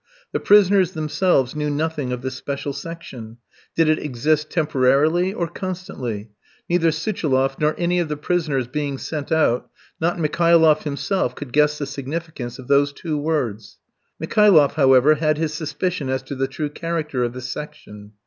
The prisoners themselves knew nothing of this special section. Did it exist temporarily or constantly? Neither Suchiloff nor any of the prisoners being sent out, not Mikhailoff himself could guess the significance of those two words. Mikhailoff, however, had his suspicion as to the true character of this section.